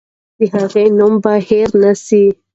د هغې نوم به هېر نه سي.